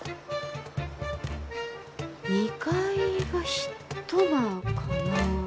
２階が１間かな？